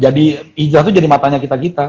jadi hijrah tuh jadi matanya kita kita